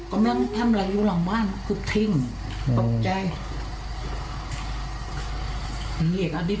ก็ไม่ได้มึงทำอะไรอยู่หลังว่างคุกทิ้งอืมตกใจ